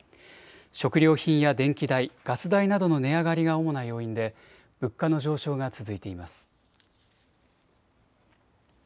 食料品や電気代、ガス代などの値上がりが主な要因で物価の上昇が続いています。